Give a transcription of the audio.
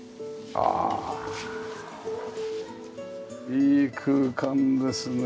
いい空間ですね。